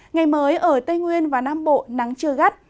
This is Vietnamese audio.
ngày mới ở tây nguyên và nam bộ nắng chưa gắt